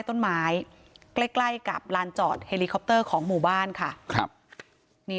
ต้นไม้ใกล้ใกล้กับลานจอดเฮลิคอปเตอร์ของหมู่บ้านค่ะครับนี่